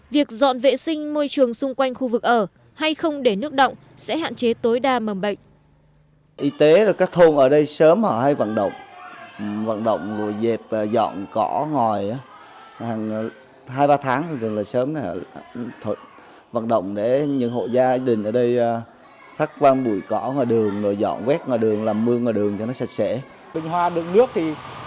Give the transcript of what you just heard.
việc dọn vệ sinh môi trường xung quanh khu vực ở hay không để nước động sẽ hạn chế tối đa mầm bệnh